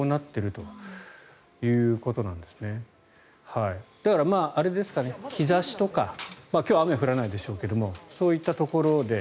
幕が下りてだから、日差しとか今日は雨は降らないでしょうけどそういったところで。